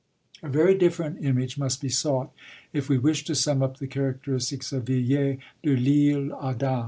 A very different image must be sought if we wish to sum up the characteristics of Villiers de l'Isle Adam.